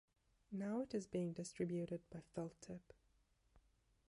Now it is being distributed by Felt Tip.